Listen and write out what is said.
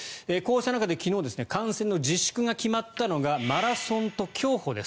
こうした中で昨日感染の自粛が決まったのがマラソンと競歩です。